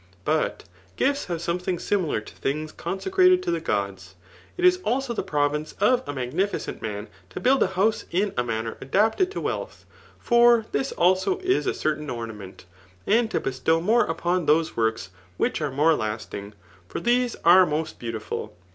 But gifts have something similar to things consecrated to the^ods* It is also the province of a magnificoit man to build a house in a manner adapted to wealth, [for this also is a certain ornament ;] and to bestow more upon those works whid are more lasting; for these are most beautiful.